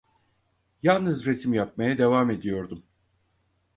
Yalnız resim yapmaya devam ediyordum.